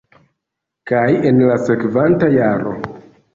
kaj en la sekvanta jaro